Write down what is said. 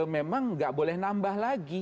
memang nggak boleh nambah lagi